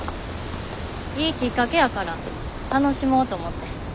いいきっかけやから楽しもうと思って。